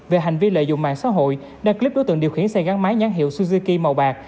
về hành vi lợi dụng mạng xã hội đăng clip đối tượng điều khiển xe gắn máy nhãn hiệu suzuki màu bạc